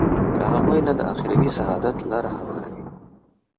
که هغوی ته د اخروي سعادت لاره هواروي.